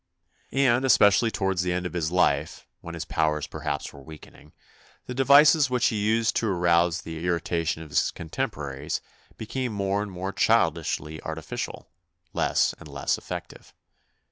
And, especially towards the end of his life when his powers perhaps were weakening, the devices which he used to arouse the irritation of his contemporaries became more and more childishly artificial, less and less effective.